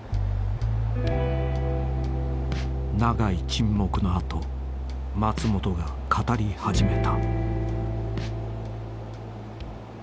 ［長い沈黙の後松本が語り始めた］